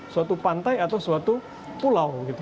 suatu pantai atau suatu pulau gitu